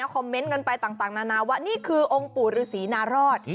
คอมเมนต์กันไปต่างนานาว่านี่คือองค์ปู่ฤษีนารอด